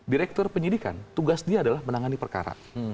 direktur penyidikan tugas dia adalah menangani perkara